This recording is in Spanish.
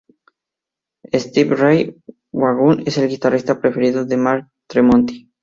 Stevie Ray Vaughan es el guitarrista preferido de Mark Tremonti.